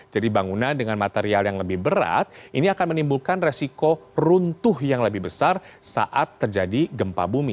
jadi bangunan dengan material yang lebih berat ini akan menimbulkan resiko runtuh yang lebih besar saat terjadi gempa bumi